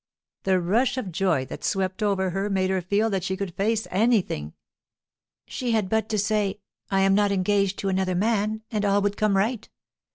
The rush of joy that swept over her made her feel that she could face anything. She had but to say, 'I am not engaged to another man,' and all would come right.